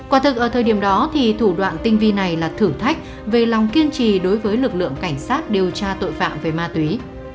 quả thực ở thời điểm đó thì thủ đoạn tinh vi này là thử thách về lòng kiên trì đối với lực lượng cảnh sát điều tra tội phạm về ma túy